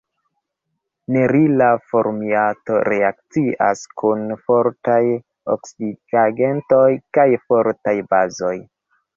Nerila formiato reakcias kun fortaj oksidigagentoj kaj fortaj bazoj.